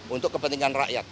untuk kepentingan rakyat